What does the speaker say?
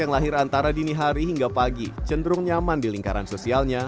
yang lahir antara dini hari hingga pagi cenderung nyaman di lingkaran sosialnya